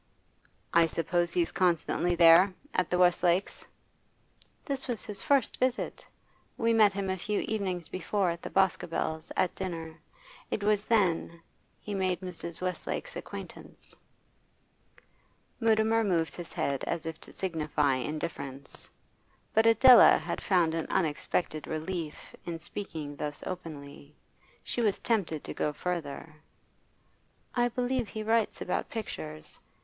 'I suppose he's constantly there at the Westlakes'?' 'That was his first visit. We met him a few evenings before at the Boscobels', at dinner. It was then he made Mrs. Westlake's acquaintance.' Mutimer moved his head as if to signify indifference. But Adela had found an unexpected relief in speaking thus openly; she was tempted to go further. 'I believe he writes about pictures. Mrs.